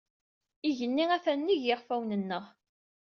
Igenni atan nnig yiɣfawen-nneɣ.